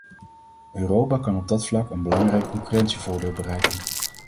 Europa kan op dat vlak een belangrijk concurrentievoordeel bereiken.